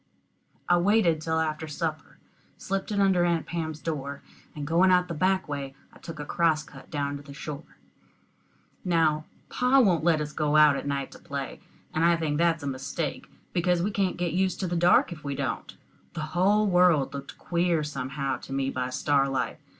I waited till after supper, slipped it under Aunt Pam's door, and going out the back way I took a cross cut down to the shore. Now pa won't let us go out at night to play, and I think that's a mistake, because we can't get used to the dark if we don't. The whole world looked queer somehow to me by starlight.